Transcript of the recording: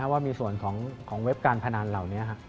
ว่ามีส่วนของเว็บการพนันเหล่านี้